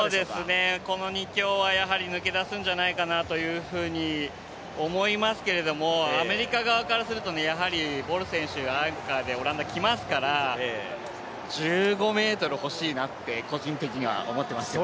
この２強はやはり抜け出すんじゃないかなというふうに思いますけれども、アメリカ側からすると、やはりアンカーでオランダ来ますから、１５ｍほしいなって個人的には思いますね。